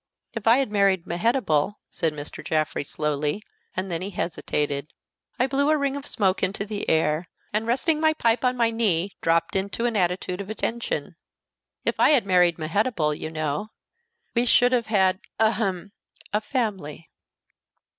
"If I had married Mehetabel," said Mr. Jaffrey, slowly, and then he hesitated. I blew a ring of smoke into the air, and, resting my pipe on my knee, dropped into an attitude of attention. "If I had married Mehetabel, you know, we should have had ahem! a family."